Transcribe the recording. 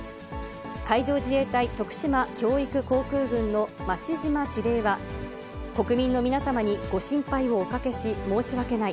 海上自衛隊徳島教育航空群のまちじま司令は、国民の皆様にご心配をおかけし申し訳ない。